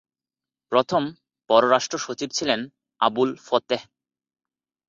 প্রথম পররাষ্ট্র সচিব ছিলেন আবুল ফতেহ।